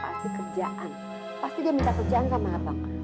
pasti kerjaan pasti dia minta kerjaan sama abang